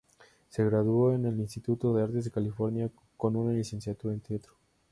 Se graduó en el Instituto de Artes de California con una licenciatura en teatro.